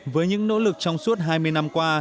với những nỗ lực trong suốt hai mươi năm qua